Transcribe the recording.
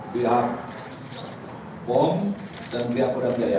pihak pom dan pihak kudang jaya